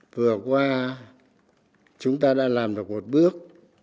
vừa qua chúng ta đã làm được một bước